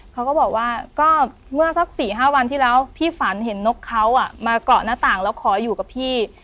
เขาก็บอกว่าก็เมื่อสัก๔๕วันที่แล้วพี่ฝันเห็นนกเขามาเกาะหน้าต่างแล้วขออยู่กับพี่